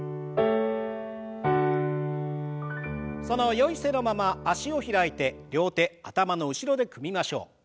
そのよい姿勢のまま脚を開いて両手頭の後ろで組みましょう。